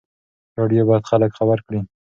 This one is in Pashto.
راډیو باید خلک خبر کړي.